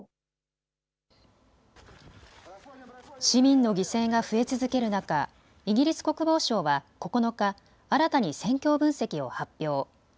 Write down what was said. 市民の犠牲が増え続ける中、イギリス国防省は９日、新たに戦況分析を発表。